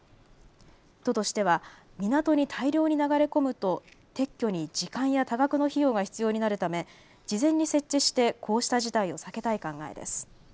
都としては港に大量に流れ込むと撤去に時間や多額の費用が必要になるため事前に設置してこうした事態を避けたい考えです。